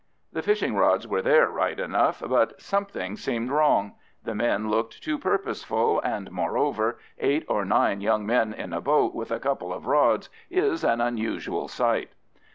The fishing rods were there right enough, but something seemed wrong; the men looked too purposeful, and, moreover, eight or nine young men in a boat with a couple of rods is an unusual sight.